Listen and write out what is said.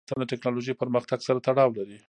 لعل د افغانستان د تکنالوژۍ پرمختګ سره تړاو لري.